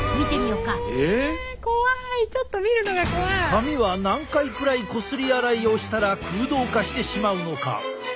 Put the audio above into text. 髪は何回くらいこすり洗いをしたら空洞化してしまうのか？